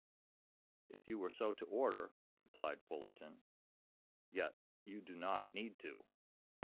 "If you were so to order," replied Fullerton. "Yet you do not need to.